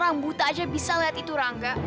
orang buta aja bisa lihat itu rangga